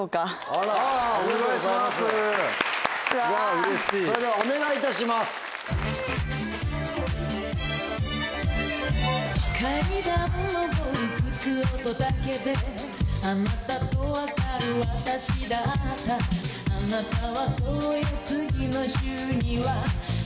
あなたはそうよ次の週には